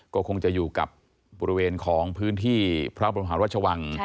ก็คงจะอยู่กับบริเวณของพื้นที่พระบรมหารัชวัง